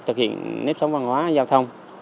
thực hiện nếp sóng văn hóa giao thông